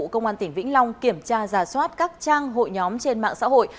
công an tỉnh vĩnh long kiểm tra giả soát các trang hội nhóm trên mạng xã hội